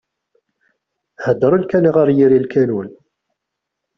Heddren kan ɣer yiri n lkanun.